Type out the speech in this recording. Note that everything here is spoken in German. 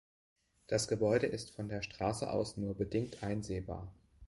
Das Gebäude ist von der Straße aus nur bedingt einsehbar.